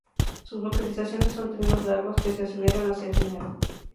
Sus vocalizaciones son trinos largos que se aceleran hacia el final.